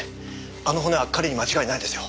あの骨は彼に間違いないですよ。